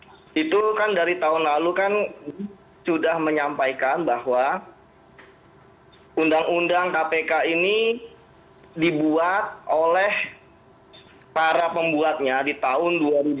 nah itu kan dari tahun lalu kan sudah menyampaikan bahwa undang undang kpk ini dibuat oleh para pembuatnya di tahun dua ribu dua